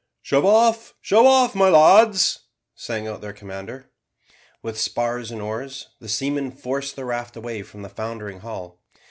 "Shove off, shove off, my lads!" sang out their commander. With spars and oars, the seamen forced the raft away from the foundering hull.